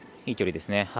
いい距離ですね。